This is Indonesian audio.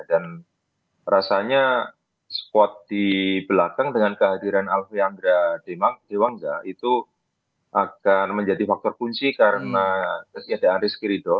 dan rasanya squad di belakang dengan kehadiran alfie andra dewangga itu akan menjadi faktor kunci karena kesiadaan rizky ridho